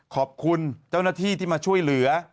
ขอบคุณเจ้าหน้าที่ที่มาช่วยเหลือ